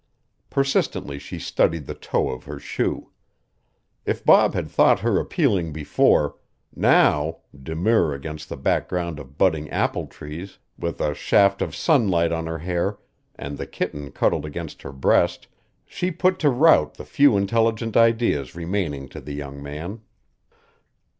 Persistently she studied the toe of her shoe. If Bob had thought her appealing before, now, demure against the background of budding apple trees, with a shaft of sunlight on her hair, and the kitten cuddled against her breast, she put to rout the few intelligent ideas remaining to the young man.